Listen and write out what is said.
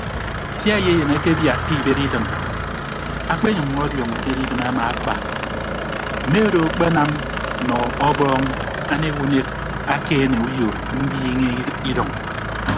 Sia eyeyịn akebiatta ibed idịm akpenyʌññọ ọdiọñ idịm amaakpa mme odo akpenam nọ ọbọọñ anek ukeed akeene uyo mbiiñe idʌñ.